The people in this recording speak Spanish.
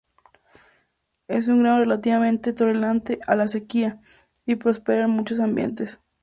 Es un grano relativamente tolerante a la sequía, y prospera en muchos ambientes.